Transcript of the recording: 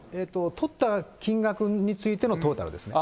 取った金額についてのトータルですね。